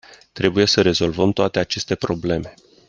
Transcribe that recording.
Trebuie să rezolvăm toate aceste probleme.